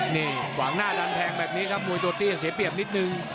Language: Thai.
นี่หวังหน้าดันแทงแบบนี้กับมุยโดรจิเสียเปรียบนิดนึง